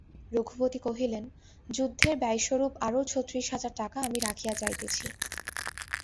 রঘুপতি কহিলেন, যুদ্ধের ব্যয়স্বরূপ আরও ছত্রিশ হাজার টাকা আমি রাখিয়া যাইতেছি।